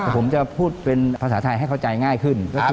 ผมจะพูดเป็นภาษาไทยให้เข้าใจง่ายขึ้น